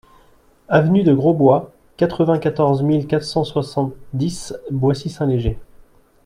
Avenue de Grosbois, quatre-vingt-quatorze mille quatre cent soixante-dix Boissy-Saint-Léger